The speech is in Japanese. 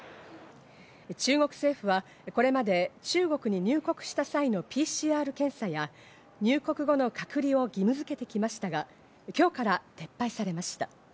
中国政府はこれまで中国に入国した際のＰＣＲ検査や入国後の隔離を義務づけてきましたが、今日から撤廃されました。